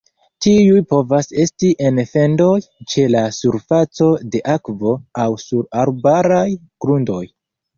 Tiuj povas esti en fendoj, ĉe la surfaco de akvo, aŭ sur arbaraj grundoj.